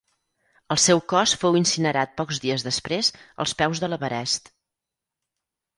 El seu cos fou incinerat pocs dies després als peus de l'Everest.